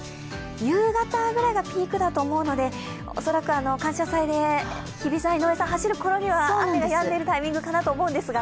夕方ぐらいがピークだと思うので、恐らく「感謝祭」で日比さん、井上さん、走るころには雨がやんでいるタイミングかなと思うんですが。